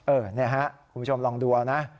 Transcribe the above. นี่ฮะคุณผู้ชมลองดูเอานะ